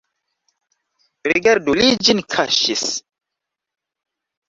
Rigardu, li ĝin kaŝis!